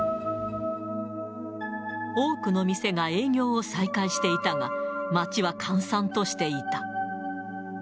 多くの店が営業を再開していたが、街は閑散としていた。